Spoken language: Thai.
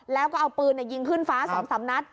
แล้วก็เอาปืนยิงขึ้นฟ้า๒๓นัด